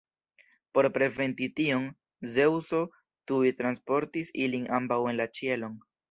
Por preventi tion, Zeŭso tuj transportis ilin ambaŭ en la ĉielon.